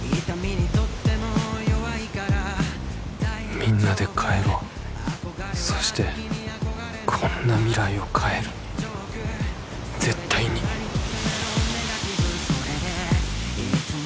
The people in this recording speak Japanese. みんなで帰ろうそしてこんな未来を変える絶対にあーっ！